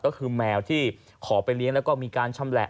ก็คือแมวที่ขอไปเลี้ยงแล้วก็มีการชำแหละ